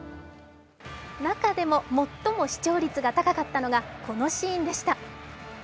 中でも最も視聴率が高かったのがこのシーンでした。